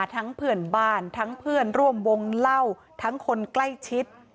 ทั้งเพื่อนบ้านทั้งเพื่อนร่วมวงเล่าทั้งคนใกล้ชิด